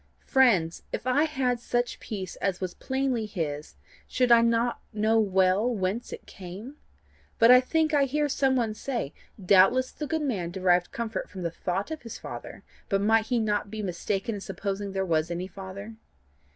Friends, if I had such peace as was plainly his, should I not know well whence it came? But I think I hear some one say: 'Doubtless the good man derived comfort from the thought of his Father, but might he not be mistaken in supposing there was any Father?